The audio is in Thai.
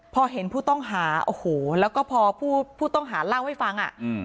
พอเห็นผู้ต้องหาโอ้โหแล้วก็พอผู้ต้องหาเล่าให้ฟัง